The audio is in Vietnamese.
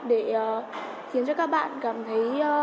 để khiến cho các bạn cảm thấy